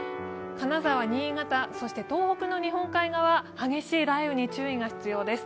金沢、新潟、東北の日本海側、激しい雷雨に注意が必要です。